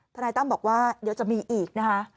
นายตั้มบอกว่าเดี๋ยวจะมีอีกนะคะ